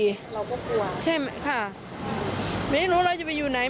เราก็กลัวใช่ไหมค่ะไม่รู้เราจะไปอยู่ไหน